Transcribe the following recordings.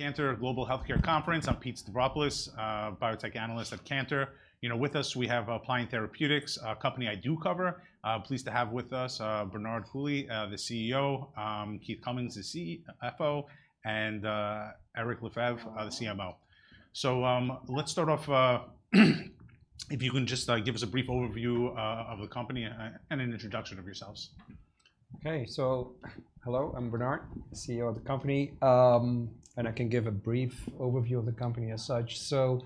Cantor Global Healthcare Conference. I'm Pete Stavropoulos, biotech analyst at Cantor. You know, with us, we have, Pliant Therapeutics, a company I do cover. Pleased to have with us, Bernard Coulie, the CEO, Keith Cummings, the CFO, and, Éric Lefebvre, the CMO. So, let's start off, if you can just, give us a brief overview, of the company and an introduction of yourselves. Okay. So hello, I'm Bernard, CEO of the company, and I can give a brief overview of the company as such. So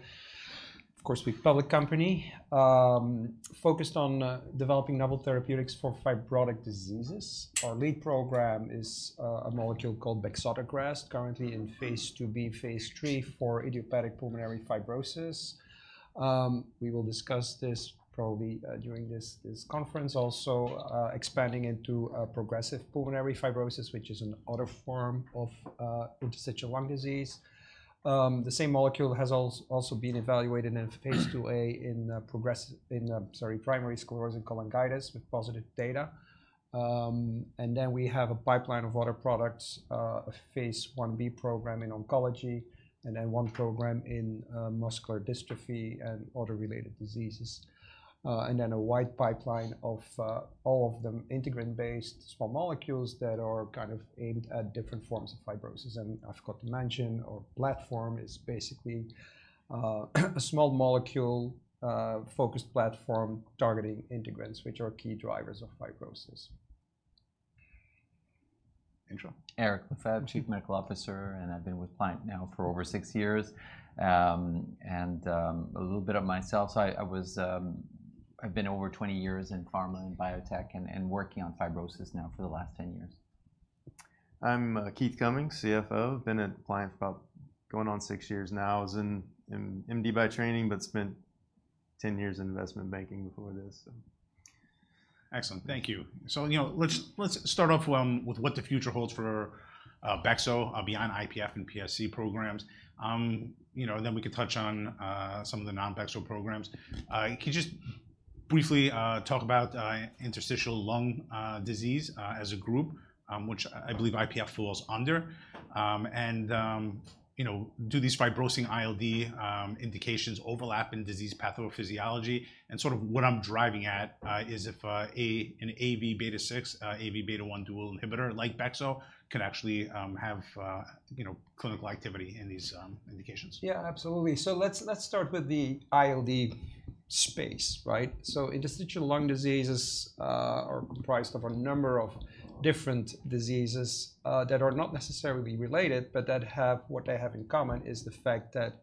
of course, we're a public company, focused on developing novel therapeutics for fibrotic diseases. Our lead program is a molecule called bexotograst, currently in phase 2b, phase 3 for idiopathic pulmonary fibrosis. We will discuss this probably during this conference. Also, expanding into progressive pulmonary fibrosis, which is another form of interstitial lung disease. The same molecule has also been evaluated in phase 2a in primary sclerosing cholangitis with positive data. And then we have a pipeline of other products, a phase Ib program in oncology, and then one program in, muscular dystrophy and other related diseases, and then a wide pipeline of, all of them integrin-based small molecules that are kind of aimed at different forms of fibrosis. And I forgot to mention, our platform is basically, a small molecule, focused platform targeting integrins, which are key drivers of fibrosis. Eric Lefebvre, Chief Medical Officer, and I've been with Pliant now for over six years. A little bit of myself. I've been over twenty years in pharma and biotech and working on fibrosis now for the last ten years. I'm Keith Cummings, CFO. Been at Pliant for about going on six years now. I was an MD by training, but spent ten years in investment banking before this, so. Excellent. Thank you. So, you know, let's start off with what the future holds for bexo beyond IPF and PSC programs. You know, then we can touch on some of the non-bexo programs. Can you just briefly talk about interstitial lung disease as a group, which I believe IPF falls under? And you know, do these fibrosing ILD indications overlap in disease pathophysiology? And sort of what I'm driving at is if an alpha V beta 6 alpha V beta 1 dual inhibitor like bexo could actually have you know clinical activity in these indications. Yeah, absolutely. So let's start with the ILD space, right? So interstitial lung diseases are comprised of a number of different diseases that are not necessarily related, but that have... What they have in common is the fact that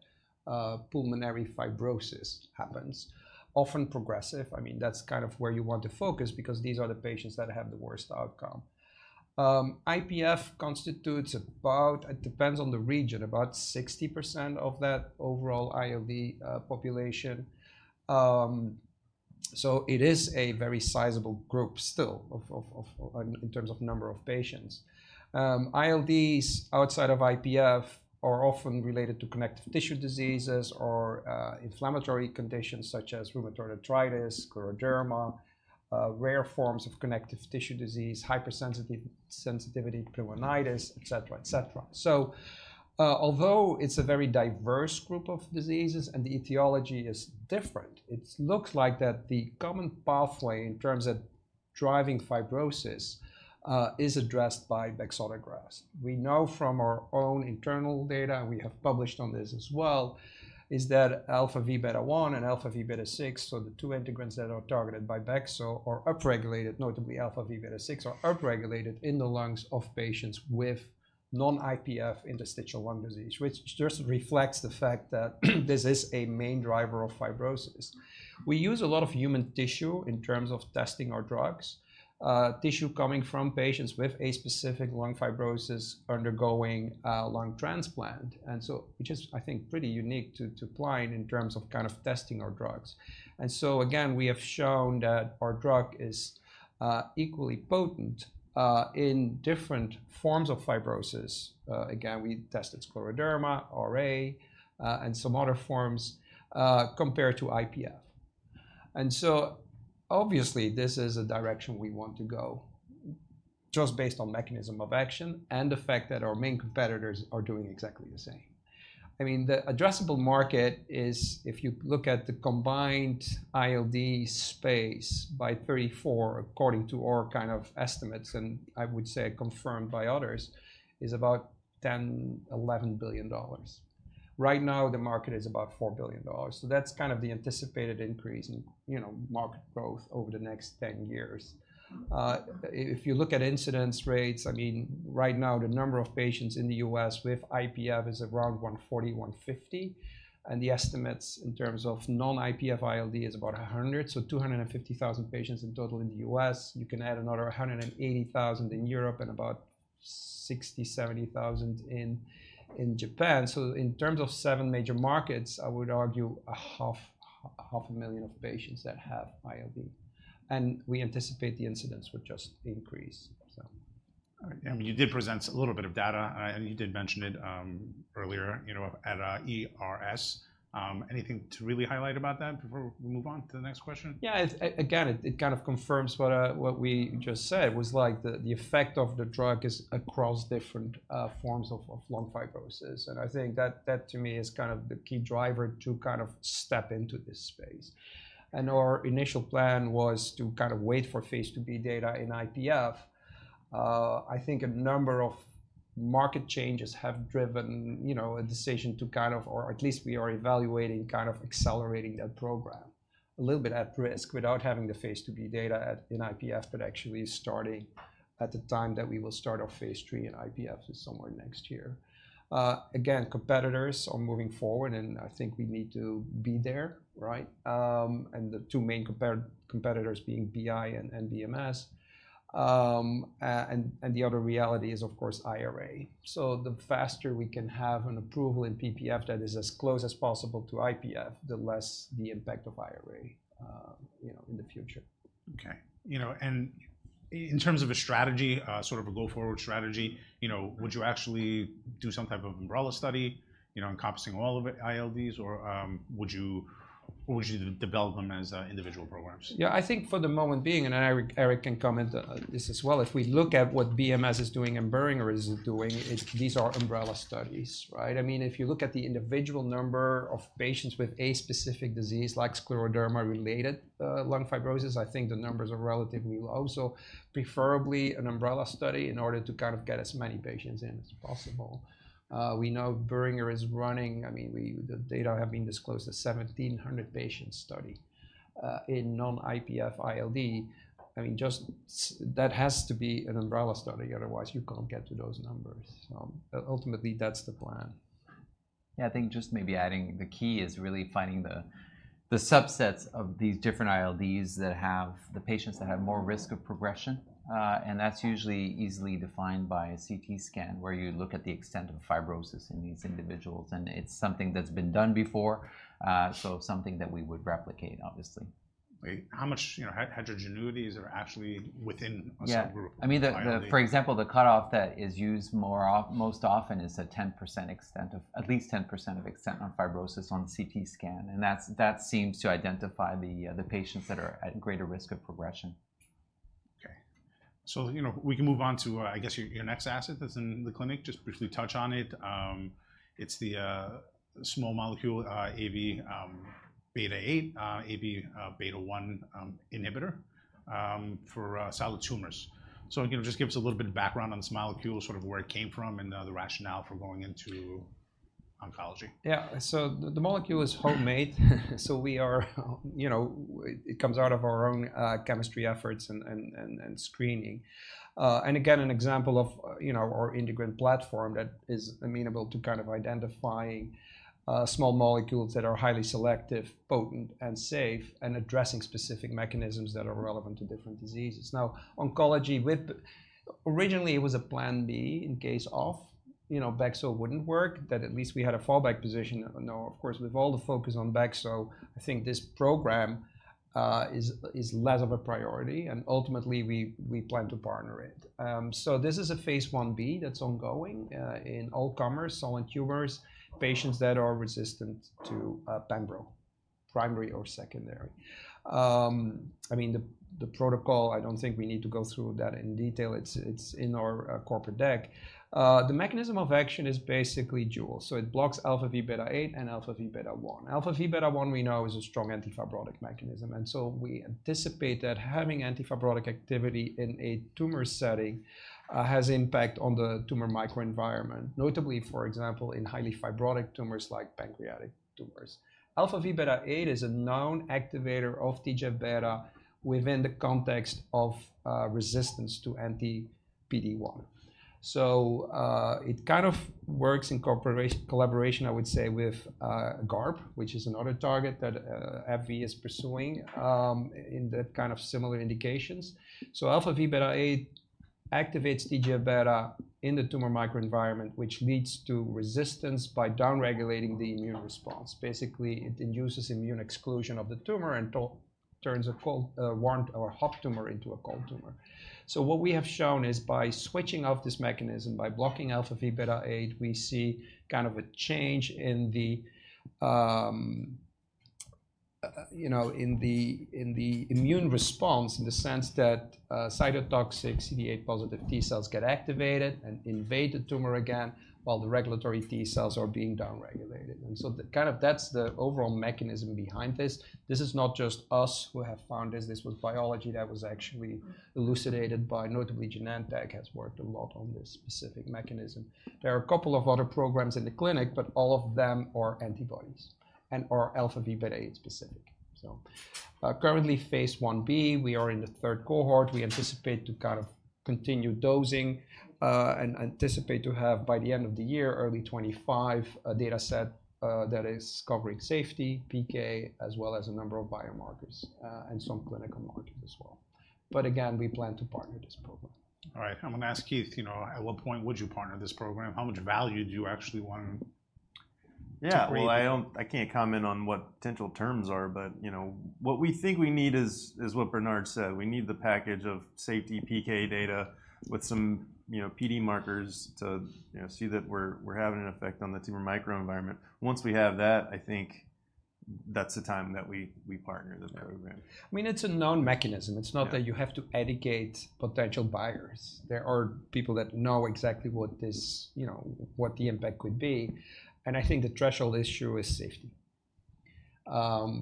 pulmonary fibrosis happens, often progressive. I mean, that's kind of where you want to focus because these are the patients that have the worst outcome. IPF constitutes about, it depends on the region, about 60% of that overall ILD population. So it is a very sizable group still of in terms of number of patients. ILDs outside of IPF are often related to connective tissue diseases or inflammatory conditions such as rheumatoid arthritis, scleroderma, rare forms of connective tissue disease, hypersensitivity pneumonitis, et cetera. Although it's a very diverse group of diseases and the etiology is different, it looks like that the common pathway in terms of driving fibrosis is addressed by bexotograst. We know from our own internal data, and we have published on this as well, is that alpha V beta 1 and alpha V beta 6, so the two integrins that are targeted by bexo, are upregulated, notably alpha V beta 6, are upregulated in the lungs of patients with non-IPF interstitial lung disease, which just reflects the fact that this is a main driver of fibrosis. We use a lot of human tissue in terms of testing our drugs, tissue coming from patients with a specific lung fibrosis undergoing a lung transplant, and so which is, I think, pretty unique to Pliant in terms of kind of testing our drugs. And so again, we have shown that our drug is equally potent in different forms of fibrosis. Again, we tested scleroderma, RA, and some other forms compared to IPF. And so obviously, this is a direction we want to go just based on mechanism of action and the fact that our main competitors are doing exactly the same. I mean, the addressable market is, if you look at the combined ILD space by 2034, according to our kind of estimates, and I would say confirmed by others, is about $10-11 billion. Right now, the market is about $4 billion, so that's kind of the anticipated increase in, you know, market growth over the next ten years. If you look at incidence rates, I mean, right now, the number of patients in the US with IPF is around 140-150, and the estimates in terms of non-IPF ILD is about 100, so 250,000 patients in total in the US. You can add another 180,000 in Europe and about 60,000-70,000 in Japan. So in terms of seven major markets, I would argue 500,000 patients that have ILD, and we anticipate the incidence will just increase, so. I mean, you did present a little bit of data, and you did mention it, earlier, you know, at ERS. Anything to really highlight about that before we move on to the next question? Yeah, again, it kind of confirms what we just said, was like the effect of the drug is across different forms of lung fibrosis. And I think that to me is kind of the key driver to kind of step into this space. And our initial plan was to kind of wait for phase 2b data in IPF. I think a number of market changes have driven, you know, a decision to kind of, or at least we are evaluating, kind of accelerating that program. A little bit at risk without having the phase 2b data at, in IPF, but actually starting at the time that we will start our phase 3 in IPF, so somewhere next year. Again, competitors are moving forward, and I think we need to be there, right? And the two main competitors being BI and BMS, and the other reality is, of course, IRA. So the faster we can have an approval in PPF that is as close as possible to IPF, the less the impact of IRA, you know, in the future. Okay, you know, and in terms of a strategy, sort of a go-forward strategy, you know, would you actually do some type of umbrella study, you know, encompassing all of it, ILDs, or would you develop them as individual programs? Yeah, I think for the moment being, and Eric, Eric can comment on this as well, if we look at what BMS is doing and Boehringer is doing, it's these are umbrella studies, right? I mean, if you look at the individual number of patients with a specific disease, like scleroderma-related lung fibrosis, I think the numbers are relatively low. So preferably an umbrella study in order to kind of get as many patients in as possible. We know Boehringer is running. I mean, the data have been disclosed, a 1,700 patient study in non-IPF ILD. I mean, just that has to be an umbrella study, otherwise, you can't get to those numbers. So ultimately, that's the plan. Yeah, I think just maybe adding, the key is really finding the subsets of these different ILDs that have the patients that have more risk of progression. And that's usually easily defined by a CT scan, where you look at the extent of fibrosis in these individuals, and it's something that's been done before, so something that we would replicate, obviously. How much, you know, heterogeneities are actually within a small group? Yeah. I mean, for example, the cutoff that is used most often is a 10% extent of at least 10% of extent on fibrosis on CT scan, and that seems to identify the patients that are at greater risk of progression. Okay, so you know, we can move on to, I guess your next asset that's in the clinic. Just briefly touch on it. It's the small molecule alpha V beta 8, alpha V beta 1 inhibitor for solid tumors, so you know, just give us a little bit of background on this molecule, sort of where it came from, and the rationale for going into oncology. Yeah. So the molecule is homemade. So we are, you know, it comes out of our own chemistry efforts and screening. And again, an example of, you know, our integrin platform that is amenable to kind of identifying small molecules that are highly selective, potent, and safe, and addressing specific mechanisms that are relevant to different diseases. Now, oncology with originally, it was a plan B in case of, you know, Bexo wouldn't work, that at least we had a fallback position. Now, of course, with all the focus on Bexo, I think this program is less of a priority, and ultimately, we plan to partner it. So this is a phase 1b that's ongoing in all comers, solid tumors, patients that are resistant to Pembro, primary or secondary. I mean, the protocol I don't think we need to go through that in detail. It's in our corporate deck. The mechanism of action is basically dual, so it blocks alpha V beta 8 and alpha V beta 1. Alpha V beta 1 we know is a strong antifibrotic mechanism, and so we anticipate that having antifibrotic activity in a tumor setting has impact on the tumor microenvironment, notably, for example, in highly fibrotic tumors like pancreatic tumors. Alpha V beta 8 is a known activator of TGF-beta within the context of resistance to anti-PD-1, so it kind of works in collaboration, I would say, with GARP, which is another target that FV is pursuing in that kind of similar indications. Alpha V beta 8 activates TGF-beta in the tumor microenvironment, which leads to resistance by downregulating the immune response. Basically, it induces immune exclusion of the tumor and turns a cold, warm or hot tumor into a cold tumor. What we have shown is by switching off this mechanism, by blocking alpha V beta 8, we see kind of a change in the, you know, immune response in the sense that cytotoxic CD8+ T cells get activated and invade the tumor again, while the regulatory T cells are being downregulated. And so. That's the overall mechanism behind this. This is not just us who have found this. This was biology that was actually elucidated by, notably. Genentech has worked a lot on this specific mechanism. There are a couple of other programs in the clinic, but all of them are antibodies and are Alpha V beta 8 specific, so currently phase 1b, we are in the third cohort. We anticipate to kind of continue dosing, and anticipate to have, by the end of the year, early 2025, a data set, that is covering safety, PK, as well as a number of biomarkers, and some clinical markers as well. But again, we plan to partner this program. All right. I'm gonna ask Keith, you know, at what point would you partner this program? How much value do you actually want to Yeah, well, I can't comment on what potential terms are, but, you know, what we think we need is what Bernard said. We need the package of safety PK data with some, you know, PD markers to, you know, see that we're having an effect on the tumor microenvironment. Once we have that, I think that's the time that we partner with them. I mean, it's a known mechanism. Yeah. It's not that you have to educate potential buyers. There are people that know exactly what this, you know, what the impact could be, and I think the threshold issue is safety.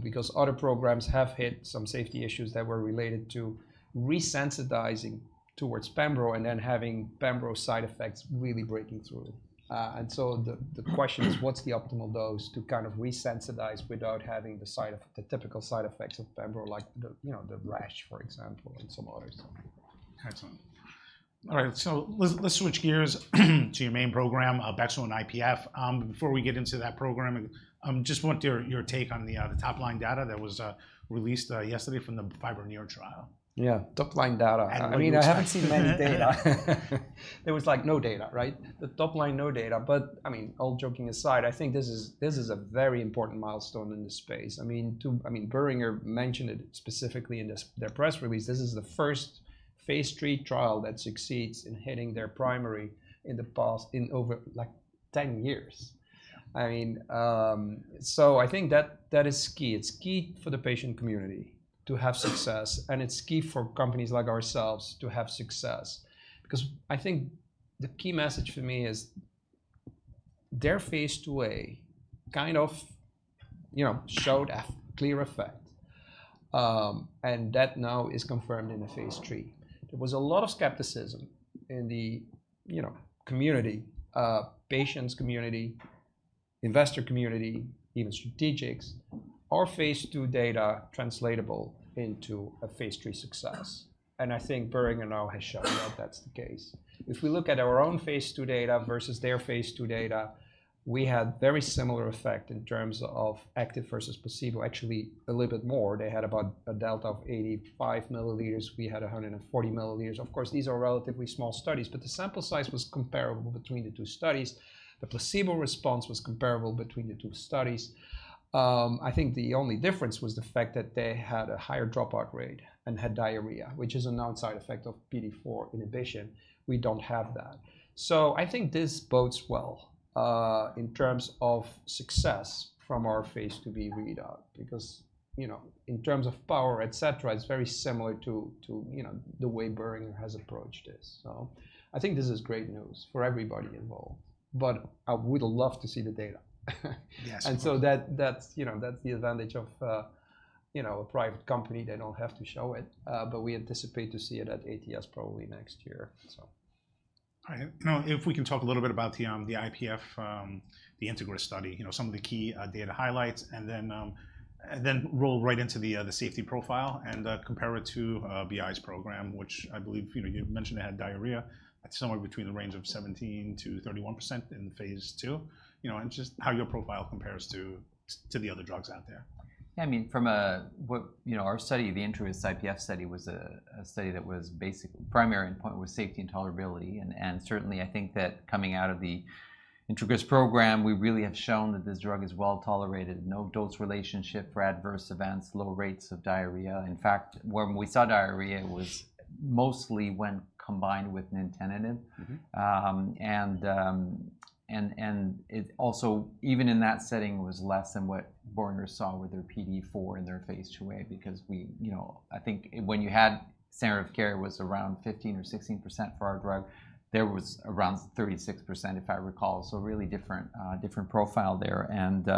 Because other programs have hit some safety issues that were related to resensitizing towards Pembro, and then having Pembro side effects really breaking through. And so the question is, what's the optimal dose to kind of resensitize without having the typical side effects of Pembro, like the, you know, the rash, for example, and some other stuff. Excellent. All right, so let's switch gears to your main program, bexotograst IPF. Before we get into that program, just want your take on the top-line data that was released yesterday from the FIBRONEER trial. Yeah, top-line data. I mean, I haven't seen many data. There was, like, no data, right? The top line, no data, but, I mean, all joking aside, I think this is, this is a very important milestone in this space. I mean, to... I mean, Boehringer mentioned it specifically in this their press release. This is the first phase III trial that succeeds in hitting their primary in the past, in over, like, 10 years. I mean, so I think that, that is key. It's key for the patient community to have success, and it's key for companies like ourselves to have success. Because I think the key message for me is their phase IIa kind of, you know, showed a clear effect, and that now is confirmed in the phase III. There was a lot of skepticism in the, you know, community, patients community, investor community, even strategics: Are phase II data translatable into a phase III success? And I think Boehringer now has shown that that's the case. If we look at our own phase II data versus their phase II data, we had very similar effect in terms of active versus placebo, actually a little bit more. They had about a delta of 85 milliliters; we had 140 milliliters. Of course, these are relatively small studies, but the sample size was comparable between the two studies. The placebo response was comparable between the two studies. I think the only difference was the fact that they had a higher dropout rate and had diarrhea, which is a known side effect of PDE4 inhibition. We don't have that. So I think this bodes well in terms of success from our phase 2b read out because, you know, in terms of power, et cetera, it's very similar to you know, the way Boehringer has approached this. So I think this is great news for everybody involved, but I would love to see the data. Yes. And so that's, you know, that's the advantage of, you know, a private company. They don't have to show it, but we anticipate to see it at ATS, probably next year, so. All right, now, if we can talk a little bit about the IPF, the INTEGRIS study, you know, some of the key data highlights, and then roll right into the safety profile and compare it to BI's program, which I believe, you know, you've mentioned it had diarrhea at somewhere between the range of 17%-31% in phase 2. You know, and just how your profile compares to the other drugs out there. Yeah, I mean, from a... You know, our study, the INTEGRIS-IPF study, was a study whose primary endpoint was safety and tolerability, and certainly, I think that coming out of the INTEGRIS program, we really have shown that this drug is well-tolerated, no dose relationship for adverse events, low rates of diarrhea. In fact, when we saw diarrhea, it was mostly when combined with nintedanib. And it also, even in that setting, was less than what Boehringer saw with their PDE4 in their phase 2a, because we, you know, I think when you had standard of care was around 15% or 16% for our drug, there was around 36%, if I recall. So really different, different profile there. And,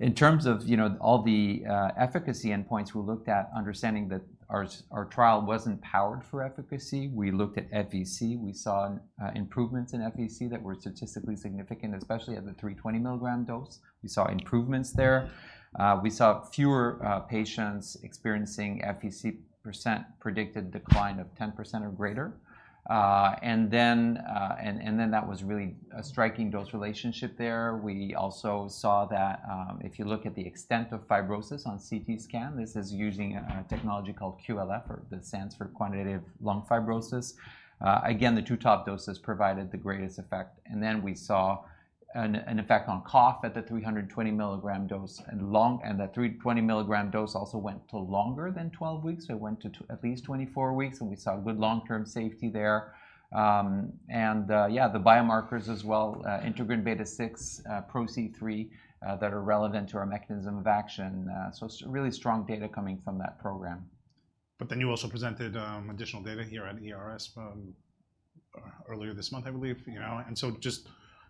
in terms of, you know, all the, efficacy endpoints, we looked at understanding that our our trial wasn't powered for efficacy. We looked at FVC. We saw, improvements in FVC that were statistically significant, especially at the 320 mg dose. We saw improvements there. We saw fewer, patients experiencing FVC percent predicted decline of 10% or greater. And then, and then that was really a striking dose relationship there. We also saw that, if you look at the extent of fibrosis on CT scan, this is using a technology called QLF, or that stands for Quantitative Lung Fibrosis. Again, the two top doses provided the greatest effect, and then we saw an effect on cough at the 300-milligram dose and that 300-milligram dose also went to longer than 12 weeks. So it went to at least 24 weeks, and we saw good long-term safety there. The biomarkers as well, integrin beta 6, proC3, that are relevant to our mechanism of action. So it's really strong data coming from that program. But then you also presented additional data here at ERS earlier this month, I believe, you know? And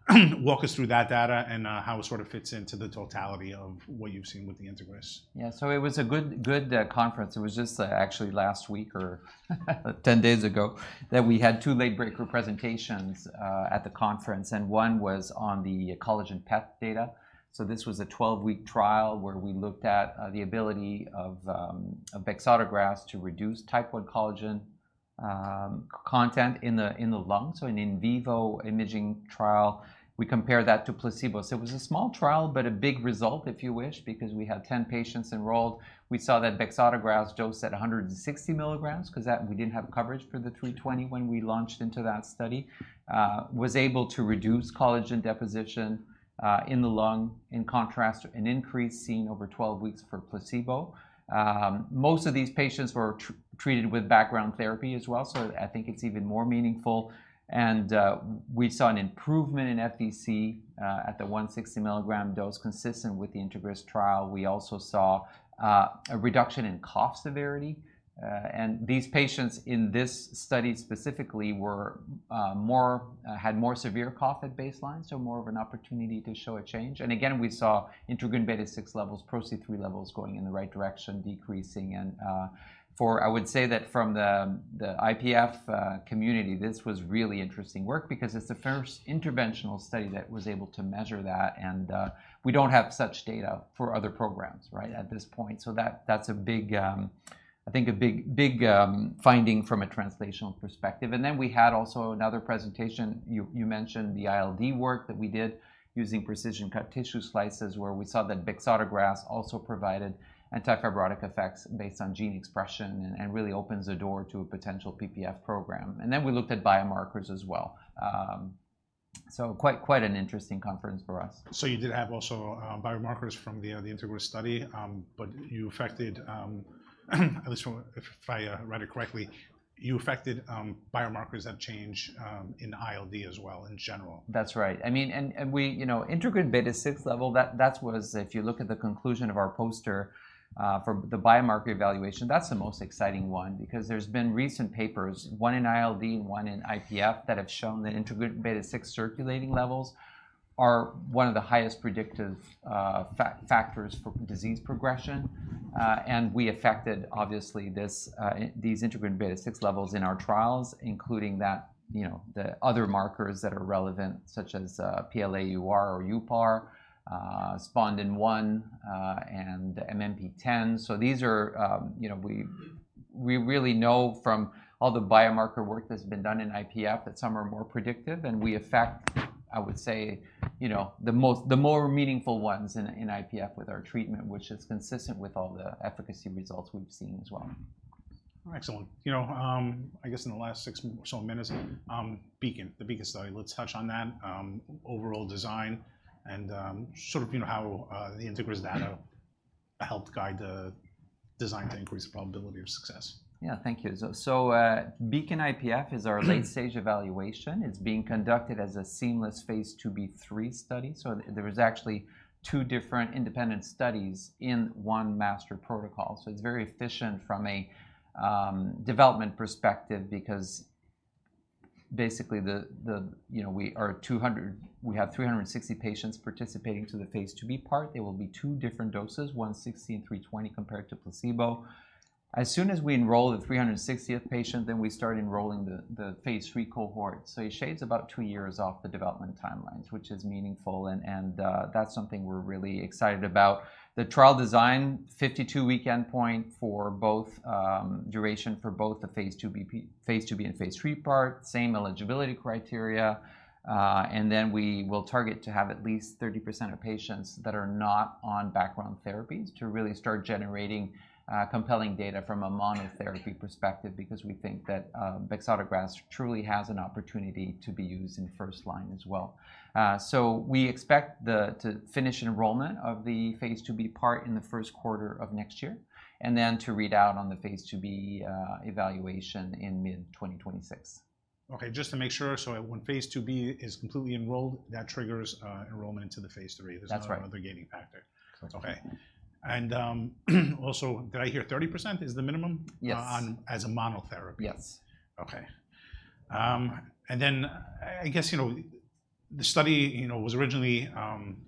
so just walk us through that data and how it sort of fits into the totality of what you've seen with the INTEGRIS. Yeah. So it was a good, good conference. It was just, actually last week or ten days ago, that we had two late-breaker presentations at the conference, and one was on the collagen PET data. So this was a 12-week trial where we looked at the ability of bexotograst to reduce type one collagen content in the lung, so an in vivo imaging trial. We compared that to placebo. So it was a small trial, but a big result, if you wish, because we had 10 patients enrolled. We saw that bexotograst dosed at 160 milligrams, 'cause that... We didn't have coverage for the 320 when we launched into that study.... was able to reduce collagen deposition in the lung, in contrast to an increase seen over 12 weeks for placebo. Most of these patients were treated with background therapy as well, so I think it's even more meaningful, and we saw an improvement in FVC at the 160 milligram dose, consistent with the INTEGRIS trial. We also saw a reduction in cough severity, and these patients in this study specifically had more severe cough at baseline, so more of an opportunity to show a change. And again, we saw integrin beta-6 levels, ProC3 levels going in the right direction, decreasing, and I would say that from the IPF community, this was really interesting work because it's the first interventional study that was able to measure that, and we don't have such data for other programs, right, at this point. So that, that's a big, I think a big finding from a translational perspective. And then we had also another presentation. You mentioned the ILD work that we did using precision-cut tissue slices, where we saw that bexotograst also provided anti-fibrotic effects based on gene expression, and really opens the door to a potential PPF program. And then we looked at biomarkers as well. So quite an interesting conference for us. So you did have also biomarkers from the INTEGRIS study, but you affected, if I read it correctly, biomarkers that change in ILD as well, in general? That's right. I mean, and we, you know, integrin beta-6 level, that's what is If you look at the conclusion of our poster, for the biomarker evaluation, that's the most exciting one because there's been recent papers, one in ILD and one in IPF, that have shown that integrin beta-6 circulating levels are one of the highest predictive, factors for disease progression. And we affected, obviously, this, these integrin beta-6 levels in our trials, including that, you know, the other markers that are relevant, such as, PLAUR or UPAR, Spondin-1, and MMP-10. So these are, you know, we really know from all the biomarker work that's been done in IPF, that some are more predictive, and we affect, I would say, you know, the more meaningful ones in IPF with our treatment, which is consistent with all the efficacy results we've seen as well. Excellent. You know, I guess in the last six or so minutes, BEACON, the BEACON study. Let's touch on that, overall design and, sort of, you know, how the INTEGRIS data helped guide the design to increase the probability of success. Yeah. Thank you. So, BEACON-IPF is our late-stage evaluation. It's being conducted as a seamless phase 2b/3 study, so there is actually two different independent studies in one master protocol. So it's very efficient from a development perspective because basically, the. You know, we have 360 patients participating to the phase IIb part. There will be two different doses, 160 and 320, compared to placebo. As soon as we enroll the 360th patient, then we start enrolling the phase III cohort. So it shaves about two years off the development timelines, which is meaningful, and that's something we're really excited about. The trial design, 52-week endpoint for both duration for both the phase 2b and phase 3 part, same eligibility criteria. And then we will target to have at least 30% of patients that are not on background therapies to really start generating compelling data from a monotherapy perspective because we think that bexotograst truly has an opportunity to be used in first line as well. So we expect to finish enrollment of the phase IIb part in the first quarter of next year, and then to read out on the phase 2b evaluation in mid-2026. Okay, just to make sure, so when phase IIb is completely enrolled, that triggers enrollment into the phase 3. That's right. There's no other gating factor. That's right. Okay, and also, did I hear 30% is the minimum? Yes. As a monotherapy? Yes. Okay, and then I guess, you know, the study, you know, was originally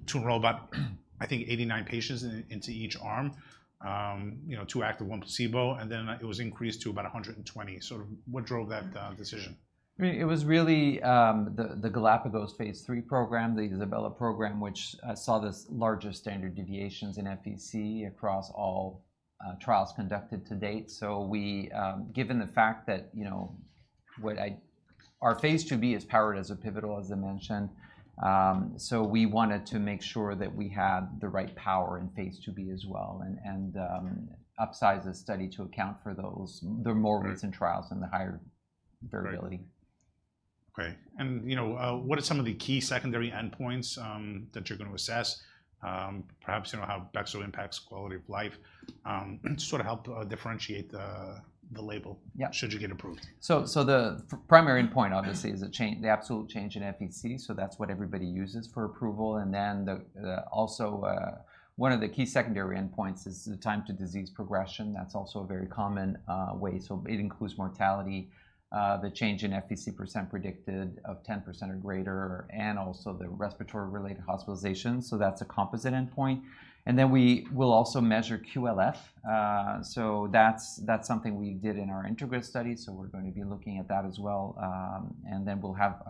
to enroll about, I think, 89 patients into each arm. You know, two active, one placebo, and then it was increased to about 120. So what drove that decision? I mean, it was really the Galapagos phase III program, the ISABELLA program, which saw this largest standard deviations in FVC across all trials conducted to date. Given the fact that, you know, our phase 2b is powered as a pivotal, as I mentioned. So we wanted to make sure that we had the right power in phase 2b as well, and upsize the study to account for those. The more recent trials and the higher variability. Great. Great, and, you know, what are some of the key secondary endpoints that you're going to assess? Perhaps, you know, how bexo impacts quality of life, sort of help differentiate the label Yeah should you get approved? So the primary endpoint, obviously, is the absolute change in FVC, so that's what everybody uses for approval. And then also one of the key secondary endpoints is the time to disease progression. That's also a very common way. So it includes mortality, the change in FVC percent predicted of 10% or greater, and also the respiratory-related hospitalizations, so that's a composite endpoint. And then we will also measure QLF. So that's something we did in our INTEGRIS study, so we're going to be looking at that as well. And then we'll have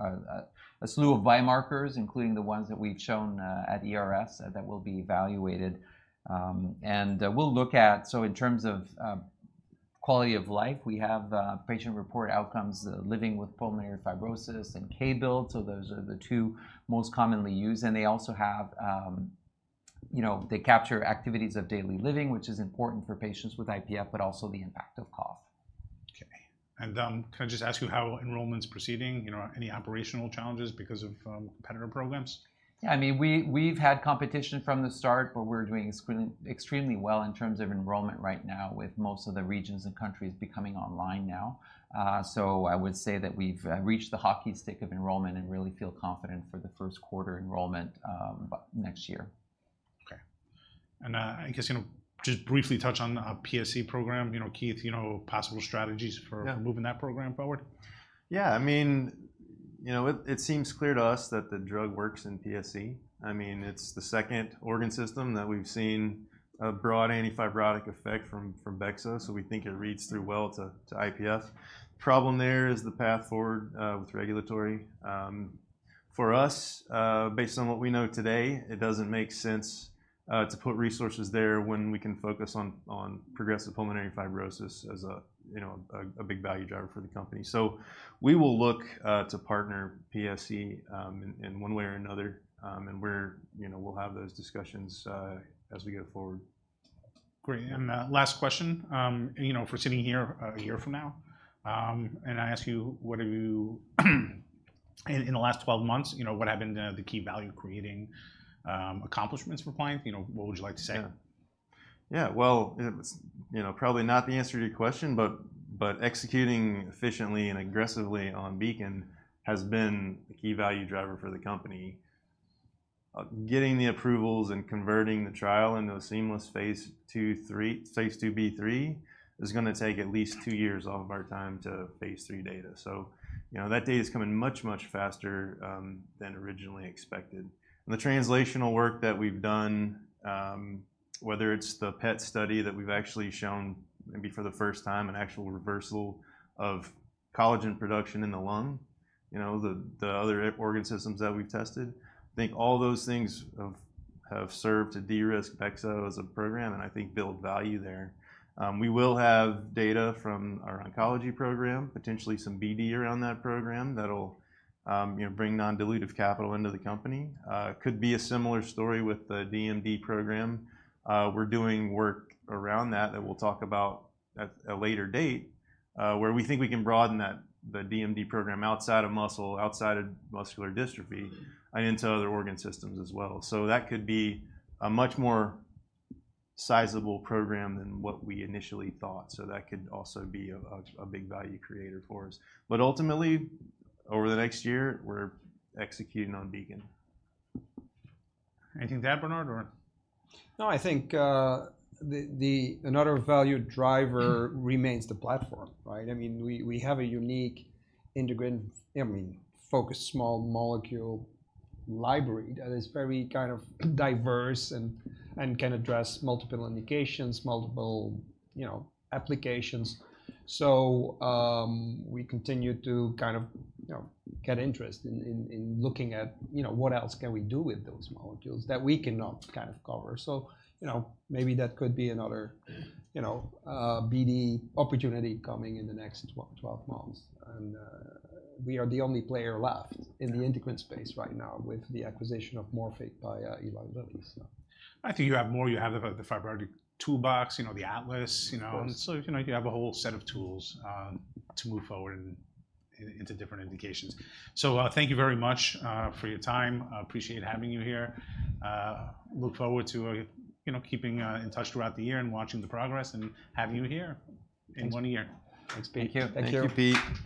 a slew of biomarkers, including the ones that we've shown at ERS, that will be evaluated. And we'll look at, In terms of quality of life, we have patient-reported outcomes, Living with Pulmonary Fibrosis and K-BILD, so those are the two most commonly used. They also have, you know, they capture activities of daily living, which is important for patients with IPF, but also the impact of cough. Okay. And, can I just ask you how enrollment's proceeding? You know, any operational challenges because of, competitor programs? Yeah, I mean, we've had competition from the start, but we're doing extremely well in terms of enrollment right now, with most of the regions and countries becoming online now. So I would say that we've reached the hockey stick of enrollment and really feel confident for the first quarter enrollment by next year. Okay. And, I guess, you know, just briefly touch on the PSC program. You know, Keith, you know, possible strategies for moving that program forward? Yeah, I mean, you know, it seems clear to us that the drug works in PSC. I mean, it's the second organ system that we've seen a broad anti-fibrotic effect from bexa, so we think it reads through well to IPF. Problem there is the path forward with regulatory. For us, based on what we know today, it doesn't make sense to put resources there when we can focus on progressive pulmonary fibrosis as a you know a big value driver for the company. So we will look to partner PSC in one way or another. And we're you know we'll have those discussions as we go forward. Great. And, last question. You know, if we're sitting here a year from now, and I ask you, what have you, In the last twelve months, you know, what have been the key value-creating accomplishments for Pliant? You know, what would you like to say? Yeah. Yeah, well, it's, you know, probably not the answer to your question, but executing efficiently and aggressively on BEACON has been the key value driver for the company. Getting the approvals and converting the trial into a seamless phase 2/3, phase 2b/3, is gonna take at least two years off of our time to phase III data. So, you know, that data is coming much, much faster than originally expected. And the translational work that we've done, whether it's the PET study that we've actually shown, maybe for the first time, an actual reversal of collagen production in the lung, you know, the other organ systems that we've tested, I think all those things have served to de-risk bexo as a program and I think build value there. We will have data from our oncology program, potentially some BD around that program, that'll, you know, bring non-dilutive capital into the company. Could be a similar story with the DMD program. We're doing work around that we'll talk about at a later date, where we think we can broaden that, the DMD program, outside of muscle, outside of muscular dystrophy, and into other organ systems as well. So that could be a much more sizable program than what we initially thought. So that could also be a big value creator for us. But ultimately, over the next year, we're executing on BEACON. Anything to add, Bernard, or? No, I think another value driver remains the platform, right? I mean, we have a unique integrin, I mean, focused small molecule library that is very kind of diverse and can address multiple indications, multiple, you know, applications. So, we continue to kind of, you know, get interest in looking at, you know, what else can we do with those molecules that we cannot kind of cover? So, you know, maybe that could be another, you know, BD opportunity coming in the next 12 months. And we are the only player left in the integrin space right now with the acquisition of Morphic by Eli Lilly, so. I think you have more. You have the fibrotic toolbox, you know, the atlas, you know? And so, you know, you have a whole set of tools, to move forward into different indications. So, thank you very much, for your time. I appreciate having you here. Look forward to, you know, keeping in touch throughout the year and watching the progress, and having you here in one year. Thanks, Pete.